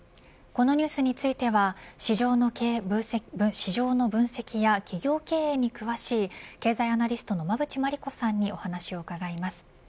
このニュースについては市場の分析や企業経営に詳しい経済アナリストの馬渕磨理子さんに伺います。